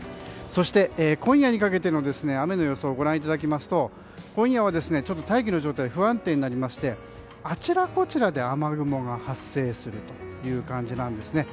そして、今夜にかけての雨の予想をご覧いただきますと今夜は大気の状態が不安定になりましてあちらこちらで雨雲が発生するという感じなんですね。